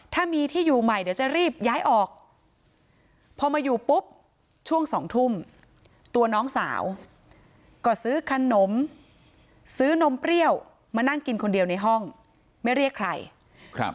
ถ้ามีที่อยู่ใหม่เดี๋ยวจะรีบย้ายออกพอมาอยู่ปุ๊บช่วงสองทุ่มตัวน้องสาวก็ซื้อขนมซื้อนมเปรี้ยวมานั่งกินคนเดียวในห้องไม่เรียกใครครับ